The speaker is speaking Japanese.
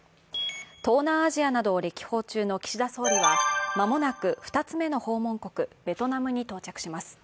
東南アジアなどを歴訪中の岸田総理は間もなく２つ目の訪問国、ベトナムに到着します。